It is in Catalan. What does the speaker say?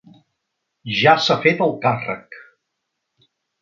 Ja s'ha fet el càrrec.